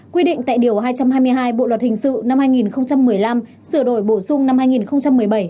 quy định tại điều hai trăm hai mươi hai bộ luật hình sự năm hai nghìn một mươi năm sửa đổi bổ sung năm hai nghìn một mươi bảy